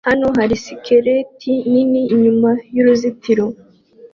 Hano hari skeleti nini inyuma y'uruzitiro